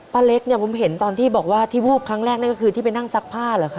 เล็กเนี่ยผมเห็นตอนที่บอกว่าที่วูบครั้งแรกนั่นก็คือที่ไปนั่งซักผ้าเหรอคะ